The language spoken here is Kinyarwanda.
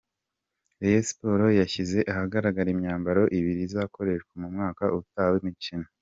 Rayon Sports yashyize ahagaragara imyambaro ibiri izakoresha mu mwaka utaha w’imikino.